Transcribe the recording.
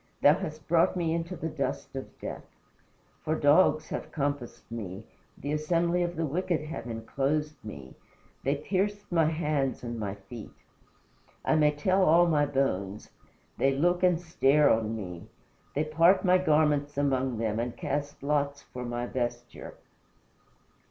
Thou hast brought me into the dust of death. For dogs have compassed me, The assembly of the wicked have inclosed me; They pierced my hands and my feet. I may tell all my bones. They look and stare on me. They part my garments among them And cast lots for my vesture."